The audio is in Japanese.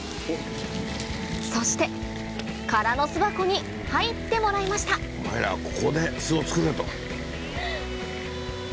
そして空の巣箱に入ってもらいましたお前らはここで巣を作れと。